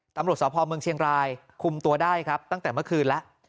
ตำรวจสพเมืองเชียงรายคุมตัวได้ครับตั้งแต่เมื่อคืนแล้ว